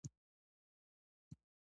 هغه غوښتل چې ټولنه روښانه شي.